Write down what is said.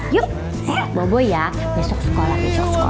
yuk bobo ya besok sekolah